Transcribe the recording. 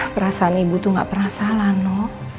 perasaan ibu tuh gak pernah salah nok